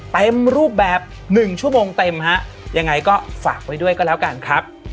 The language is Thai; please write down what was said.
เต็มรูปแบบหนึ่งชั่วโมงเต็มฮะยังไงก็ฝากไว้ด้วยก็แล้วกันครับ